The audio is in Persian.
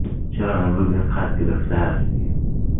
چرا امروز اینقدر گرفته هستی؟